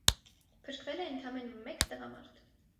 Փրկվել է ընդամենը մեկ տղամարդ։